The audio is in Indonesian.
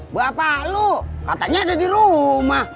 bapak lo katanya ada di rumah